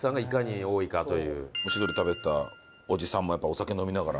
蒸し鶏食べてたおじさんもやっぱお酒飲みながら。